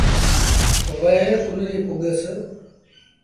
وهي ڪنريٚ پُڳس۔